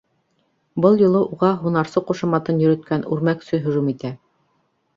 Был юлы уға һунарсы ҡушаматын йөрөткән үрмәксе һөжүм итә.